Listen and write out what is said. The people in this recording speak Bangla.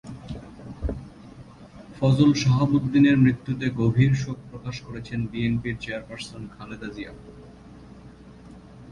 ফজল শাহাবুদ্দীনের মৃত্যুতে গভীর শোক প্রকাশ করেছেন বিএনপির চেয়ারপারসন খালেদা জিয়া।